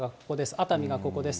熱海がここです。